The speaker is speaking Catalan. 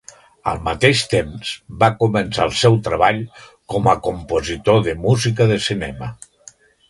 Al mateix temps, va començar el seu treball com a compositor de música de cinema.